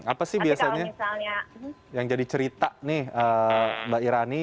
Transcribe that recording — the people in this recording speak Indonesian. apa sih biasanya yang jadi cerita nih mbak irani